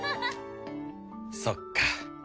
そっか。